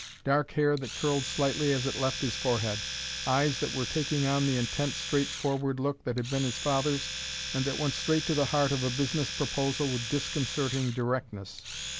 Dark hair that curled slightly as it left his forehead; eyes that were taking on the intent, straightforward look that had been his father's and that went straight to the heart of a business proposal with disconcerting directness.